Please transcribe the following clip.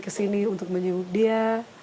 saya ke sini untuk menyembuh dia